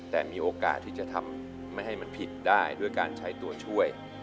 แต่มีโอกาสที่จะทำไม่ให้มันผิดได้ด้วยการใช้ตัวช่วย